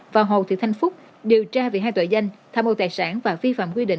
và hồ thị thanh phúc điều tra về hai tội danh tham ô tài sản và vi phạm quy định